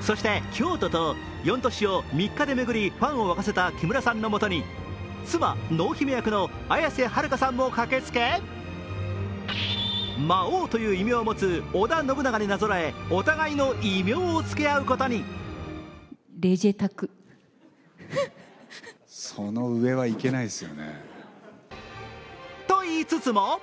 そして京都と４都市を３日で巡りファンを沸かせた木村さんのもとに妻・濃姫役の綾瀬はるかさんも駆けつけ魔王という異名を持つ織田信長になぞらえお互いの異名をつけ合うことに。といいつつも。